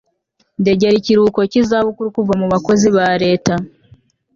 ndegera ikiruhuko cy'izabukuru kuva mu bakozi ba leta